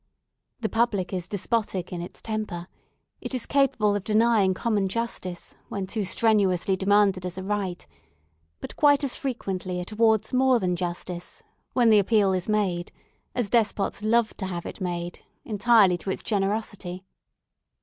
The public is despotic in its temper; it is capable of denying common justice when too strenuously demanded as a right; but quite as frequently it awards more than justice, when the appeal is made, as despots love to have it made, entirely to its generosity.